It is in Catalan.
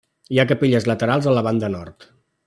Hi ha capelles laterals a la banda nord.